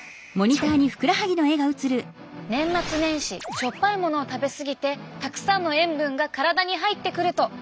しょっぱいものを食べ過ぎてたくさんの塩分が体に入ってくると。